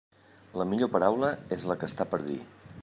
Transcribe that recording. La millor paraula és la que està per dir.